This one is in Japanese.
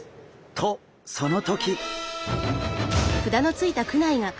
とその時！